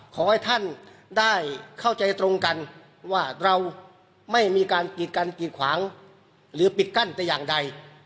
ขอให้ท่านได้เข้าใจตรงกันว่าเราไม่มีการกีดกันกีดขวางหรือปิดกั้นแต่อย่างใด